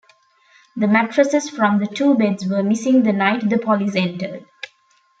The mattresses from the two beds were missing the night the police entered.